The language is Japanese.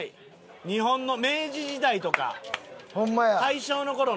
日本の明治時代とか大正の頃の剣や。